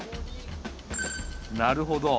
なるほど。